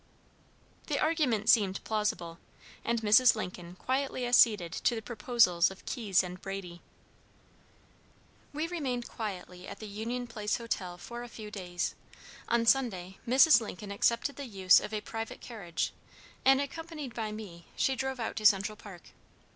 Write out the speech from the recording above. The argument seemed plausible, and Mrs. Lincoln quietly acceded to the proposals of Keyes and Brady. We remained quietly at the Union Place Hotel for a few days. On Sunday Mrs. Lincoln accepted the use of a private carriage, and accompanied by me, she drove out to Central Park.